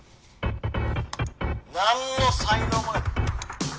何の才能も無い。